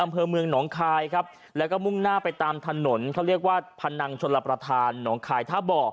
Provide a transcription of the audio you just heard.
เขาจะกู่งหน้าไปตามถนนพันนะคะบ่อ